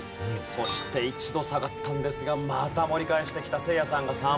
そして一度下がったんですがまた盛り返してきたせいやさんが３番手。